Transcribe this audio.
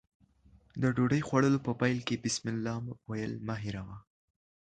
د ډوډۍ خوړلو په پیل کې بسمالله ويل مه هېروه.